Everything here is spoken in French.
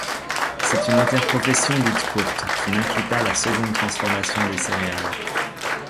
C’est une interprofession dite courte, qui n’inclut pas la seconde transformation des céréales.